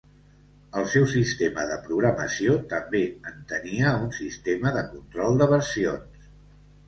El seu sistema de programació també en tenia un sistema de control de versions.